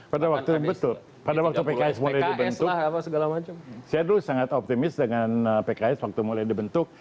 pada waktu pks mulai dibentuk saya dulu sangat optimis dengan pks waktu mulai dibentuk